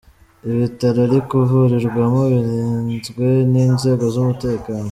Ibitaro ari kuvurirwamo birinzwe n’inzego z’umutekano.